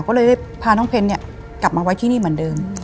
กลับมาไว้ที่นี่เหมือนเดิม